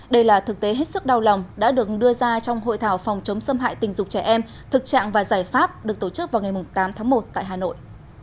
đây là thực tế hết sức đau lòng đã được đưa ra trong hội thảo phòng chống xâm hại tình dục trẻ em thực trạng và giải pháp được tổ chức vào ngày tám tháng một tại hà nội